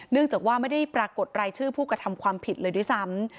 จากว่าไม่ได้ปรากฏรายชื่อผู้กระทำความผิดเลยด้วยซ้ำ